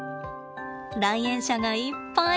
来園者がいっぱい。